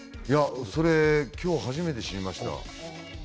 それ今日初めて知りました。